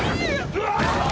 うわ！？